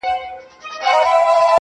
دا نن چي زه داسې درگورمه مخ نه اړوم,